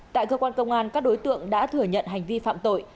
tại cơ quan công an các đối tượng đã thừa nhận hành vi phạm tội